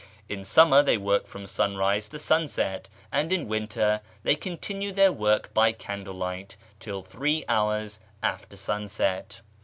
In summer they work from sunrise to sunset, and in winter they continue their work by candle light till three hours after sunset.